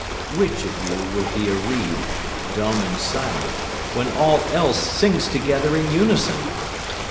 Which of you would be a reed, dumb and silent, when all else sings together in unison?